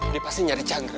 dia pasti nyari chandra